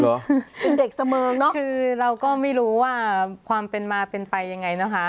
เป็นเด็กเสมิงเนอะคือเราก็ไม่รู้ว่าความเป็นมาเป็นไปยังไงนะคะ